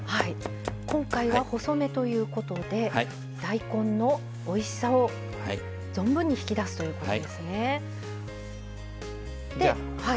今回は細めということで大根のおいしさを存分に引き出すということですね。